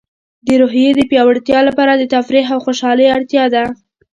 د روحیې د پیاوړتیا لپاره د تفریح او خوشحالۍ اړتیا ده.